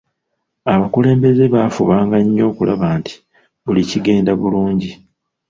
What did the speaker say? Abakulumbeze baafubanga nnyo okulaba nti buli kigenda bulungi.